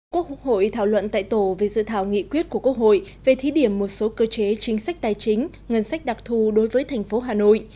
quốc hội thảo luận tại tổ về dự thảo nghị quyết của quốc hội về thí điểm một số cơ chế chính sách tài chính ngân sách đặc thù đối với thành phố hà nội